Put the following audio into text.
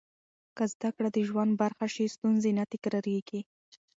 که زده کړه د ژوند برخه شي، ستونزې نه تکرارېږي.